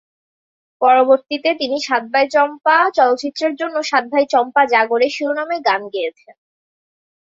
পরবর্তীতে তিনি "সাত ভাই চম্পা" চলচ্চিত্রের জন্য সাত ভাই চম্পা জাগো রে শিরোনামে গান গেয়েছেন।